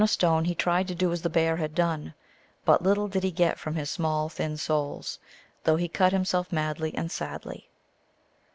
213 stone, he tried to do as the Bear had done ; but little did he get from his small, thin soles, though he cut himself madly and sadly.